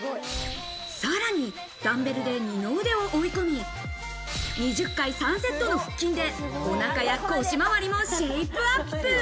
さらにダンベルで二の腕を追い込み、２０回３セットの腹筋でお腹や腰周りもシェイプアップ！